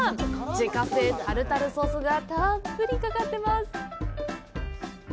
自家製タルタルソースがたっぷりかかっています！